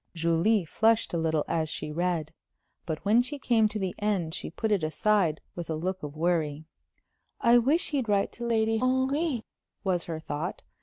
Julie flushed a little as she read. But when she came to the end she put it aside with a look of worry. "I wish he'd write to Lady Henry," was her thought.